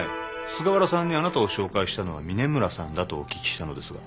菅原さんにあなたを紹介したのは峰村さんだとお聞きしたのですが。